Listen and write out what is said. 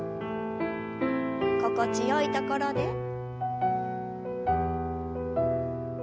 心地よいところで。